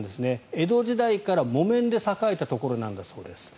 江戸時代から木綿で栄えたところなんだそうです。